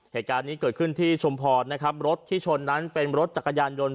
เหตุการณ์นี้เกิดขึ้นที่ชุมพรนะครับรถที่ชนนั้นเป็นรถจักรยานยนต์